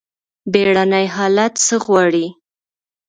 بیړني حالات څه غواړي؟